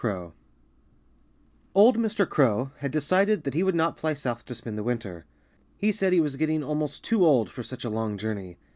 CROW Old Mr. Crow had decided that he would not fly south to spend the winter. He said he was getting almost too old for such a long journey.